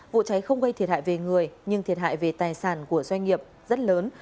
vụ cháy không gây thiệt hại về người nhưng thiệt hại về tài sản của doanh nghiệp rất lớn